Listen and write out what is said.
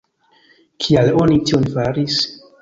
Kial oni tion faris?